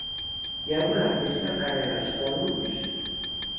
Hi ha algun lampista al carrer dels Còdols?